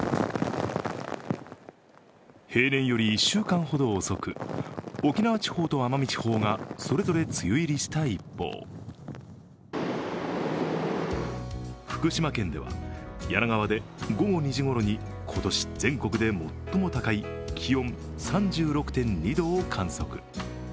平年より１週間ほど遅く、沖縄地方と奄美地方がそれぞれ梅雨入りした一方福島県では梁川で午後２時ごろに今年全国で最も高い気温３６．２度を観測。